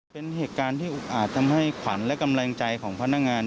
เป็นเหตุการณ์ที่อุกอาจทำให้ขวัญและกำลังใจของพนักงาน